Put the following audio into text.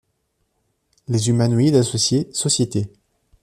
Les Humanoïdes Associés, sc.